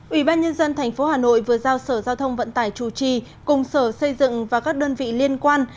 ủy ban nhân dân tp hà nội vừa giao sở giao thông vận tải chủ trì cùng sở xây dựng và các đơn vị liên quan